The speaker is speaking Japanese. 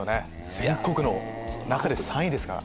全国の中で３位ですから。